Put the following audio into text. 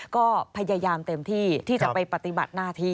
ก็พยายามเต็มที่ที่จะไปปฏิบัติหน้าที่